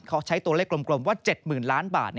เขาใช้ตัวเลขกลมว่า๗๐๐ล้านบาท